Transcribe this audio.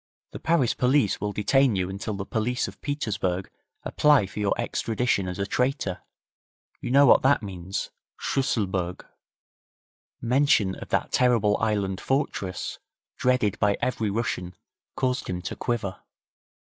The Paris police will detain you until the police of Petersburg apply for your extradition as a traitor. You know what that means Schusselburg.' Mention of that terrible island fortress, dreaded by every Russian, caused him to quiver.